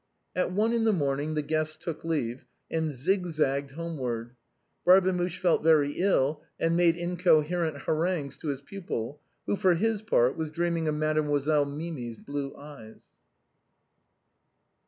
At one in the morning the guests took leave, and zig zagged homeward. Barbemuche felt very ill, and made incoherent harangues to his pupil, who, for his part, was dreaming of Mademoiselle Mimi's blue eyes.